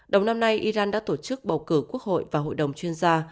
đầu năm nay iran đã tổ chức bầu cử quốc hội và hội đồng chuyên gia